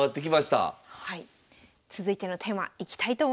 続いてのテーマいきたいと思います。